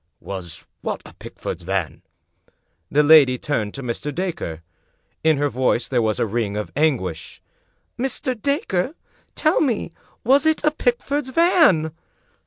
"Was what a Pickford's van?" The lady turned to Mr. Dacre. In her voice there was a ring of anguish. "Mr. t)acre, tell me, was it a Pickford's van?"